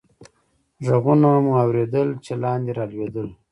ږغونه مو اورېدل، چې لاندې رالوېدل.